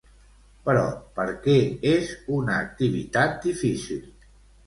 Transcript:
Però, per què és una activitat difícil?